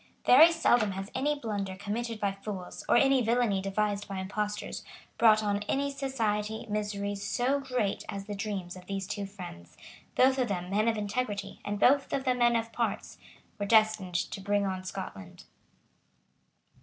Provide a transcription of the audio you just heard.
Very seldom has any blunder committed by fools, or any villany devised by impostors, brought on any society miseries so great as the dreams of these two friends, both of them men of integrity and both of them men of parts, were destined to bring on Scotland.